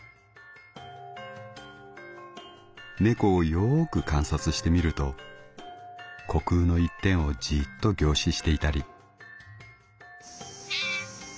「猫をよーく観察してみると虚空の一点をじぃっと凝視していたり」。